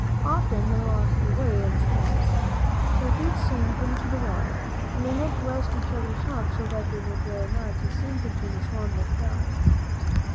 Often they lost their way in swamps. Their feet sank into the water, and they had to ask each other's help so that they would not sink into the swamp and die.